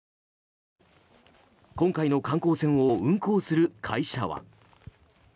今回の観光船を運航する会社は。